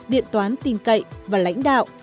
điện toán tin cậy và lãnh đạo